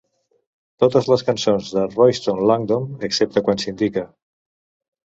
Totes les cançons de Royston Langdon excepte quan s'indica.